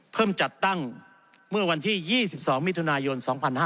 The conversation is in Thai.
จัดตั้งเมื่อวันที่๒๒มิถุนายน๒๕๕๙